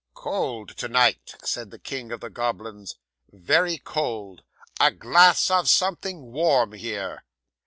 '"Cold to night," said the king of the goblins, "very cold. A glass of something warm here!"